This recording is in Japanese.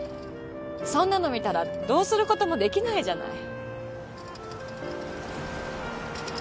そんなの見たらどうすることもできないじゃない。